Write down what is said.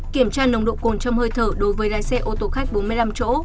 kiểm tra nồng độ cồn trong hơi thở đối với lái xe ô tô khách bốn mươi năm chỗ